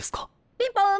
ピンポン！